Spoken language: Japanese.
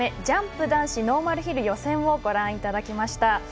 ジャンプ男子ノーマルヒル予選をご覧いただきました。